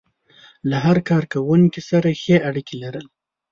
له هر کار کوونکي سره ښې اړيکې لرل.